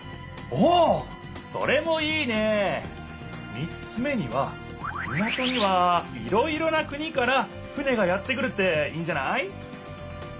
３つ目には港にはいろいろな国から船がやって来るっていいんじゃない？